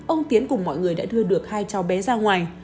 ông tiến cùng mọi người đã đưa được hai cháu bé ra ngoài